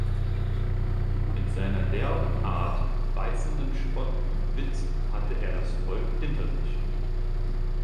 Mit seiner derben Art, beißendem Spott und Witz hatte er das Volk hinter sich.